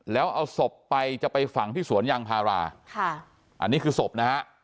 แล้วเอาศพไปจะไปฝังที่สวนยางพาราค่ะอันนี้คือศพนะฮะ